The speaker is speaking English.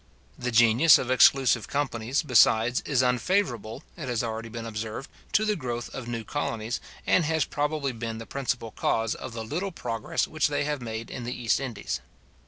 The genius of exclusive companies, besides, is unfavourable, it has already been observed, to the growth of new colonies, and has probably been the principal cause of the little progress which they have made in the East Indies.